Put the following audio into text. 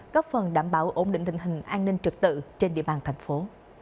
góp phần đảm bảo ổn định tình hình an ninh trực tự trên địa bàn thành phố